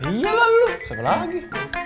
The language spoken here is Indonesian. iya lah lu siapa lagi